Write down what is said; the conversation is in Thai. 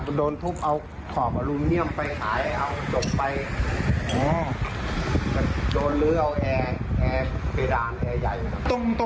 ริปตัวนี้มูลค่าเท่าไหร่ครับเฮษ